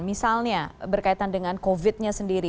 misalnya berkaitan dengan covid nya sendiri